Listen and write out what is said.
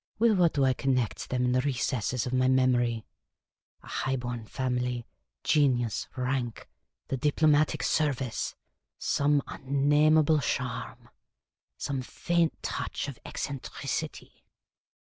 With what do I connect them in the recesses of my memory ? A high bora family ; genius ; rank ; the diplomatic service ; some un nameable charm ; some faint touch of eccentricity.